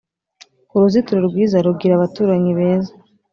uruzitiro rwiza rugira abaturanyi beza!